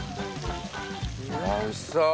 うわおいしそう！